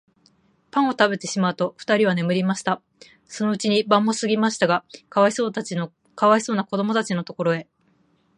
パンをたべてしまうと、ふたりは眠りました。そのうちに晩もすぎましたが、かわいそうなこどもたちのところへ、